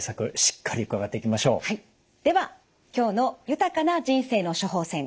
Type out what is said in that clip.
はいでは今日の「豊かな人生の処方せん」